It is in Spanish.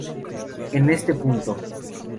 En este punto.